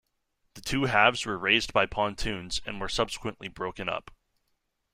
The two halves were raised by pontoons, and were subsequently broken up.